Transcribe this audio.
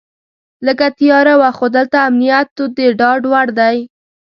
لږه تیاره وه خو دلته امنیت د ډاډ وړ دی.